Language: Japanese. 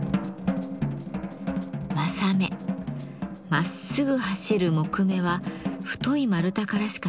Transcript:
まっすぐ走る木目は太い丸太からしか取れません。